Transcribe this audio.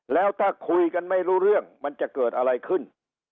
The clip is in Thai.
แล้วถ้าคุยกันไม่รู้เรื่องมันจะเกิดอะไรขึ้น